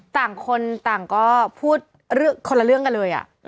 ต่างคนต่างก็พูดคนละเรื่องกันเลย